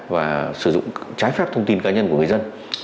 và sử dụng trái phép thông tin cá nhân của người dân